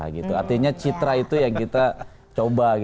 artinya citra itu yang kita coba